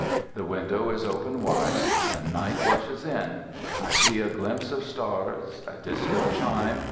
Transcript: The window is open wide: the night rushes in. I see a glimpse of stars ... a distant chime